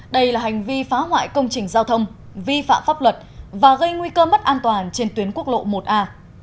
đây là hành vi phá hoại công trình giao thông vi phạm pháp luật và gây nguy cơ mất an toàn trên tuyến quốc lộ một a